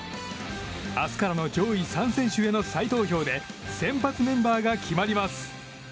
明日からの上位３選手への再投票で先発メンバーが決まります。